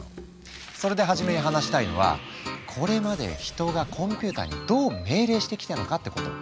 それで初めに話したいのはこれまで人がコンピューターにどう命令してきたのかってこと。